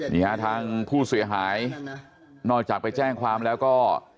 นี่ฮะทางผู้เสียหายนอกจากไปแจ้งความแล้วก็